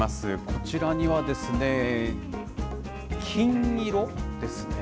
こちらにはですね、金色ですね。